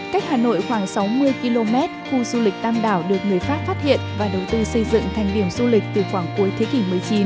cách hà nội khoảng sáu mươi km khu du lịch tam đảo được người pháp phát hiện và đầu tư xây dựng thành điểm du lịch từ khoảng cuối thế kỷ một mươi chín